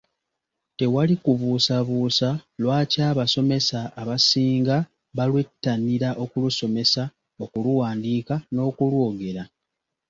Tewali kubuusabuusa lwaki abasomesa abasinga balwettanira okulusomesa, okuluwandiika n'okulwogera.